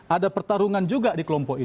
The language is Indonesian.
ada pertarungan juga di kelompok itu